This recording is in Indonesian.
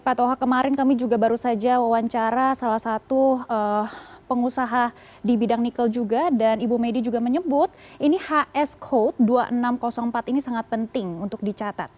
pak toha kemarin kami juga baru saja wawancara salah satu pengusaha di bidang nikel juga dan ibu medi juga menyebut ini hs code dua ribu enam ratus empat ini sangat penting untuk dicatat